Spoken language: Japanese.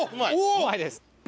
うまいです。